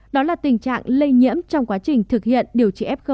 đó là tình trạng lây nhiễm trong quá trình thực hiện điều trị f